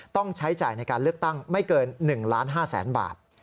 ต้องใช้จ่ายในการเลือกตั้งไม่เกิน๑ล้าน๕แสนบาท